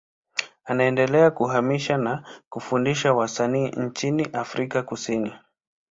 Anaendelea kuhamasisha na kufundisha wasanii nchini Afrika Kusini.